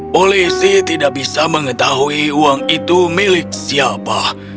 polisi tidak bisa mengetahui uang itu milik siapa